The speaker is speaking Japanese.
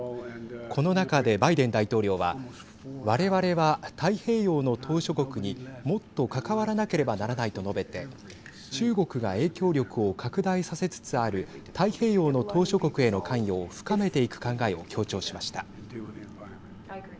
この中で、バイデン大統領はわれわれは、太平洋の島しょ国にもっと関わらなければならないと述べて中国が影響力を拡大させつつある太平洋の島しょ国への関与を深めていく考えを強調しました。